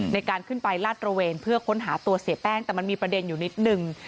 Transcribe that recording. ในการขึ้นไปลาดระเวนเพื่อค้นหาตัวเสียแป้งแต่มันมีประเด็นอยู่นิดนึง